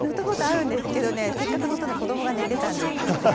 あるんですが、せっかく乗ったのに子どもが寝てたんですよね。